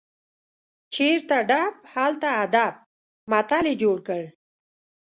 چیرته ډب، هلته ادب متل یې جوړ کړ.